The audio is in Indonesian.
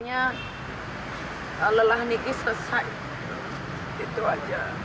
akhirnya lelah niki selesai itu aja